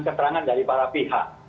keterangan dari para pihak